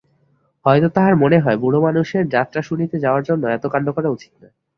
হয়তো তাহার মনে হয় বুড়োমানুষের যাত্রা শুনিতে যাওয়ার জন্য এত কান্ড করা উচিত নয়।